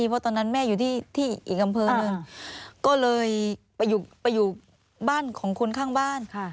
เพราะตอนนั้นแม่อยู่ที่อีกอำเภอหนึ่งก็เลยไปอยู่บ้านของคนข้างบ้าน